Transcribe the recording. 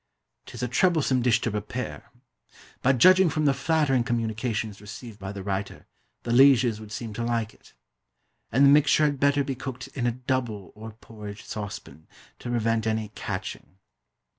'Tis a troublesome dish to prepare; but, judging from the flattering communications received by the writer, the lieges would seem to like it. And the mixture had better be cooked in a double or porridge saucepan, to prevent any "catching."